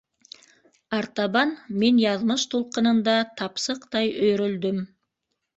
Артабан мин яҙмыш тулҡынында тапсыҡтай өйөрөлдөм.